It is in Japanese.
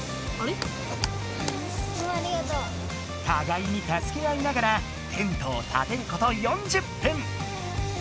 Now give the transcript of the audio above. たがいにたすけ合いながらテントをたてること４０分。